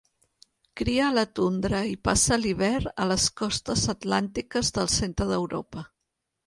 Cria a la tundra i passa l'hivern a les costes atlàntiques del centre d'Europa.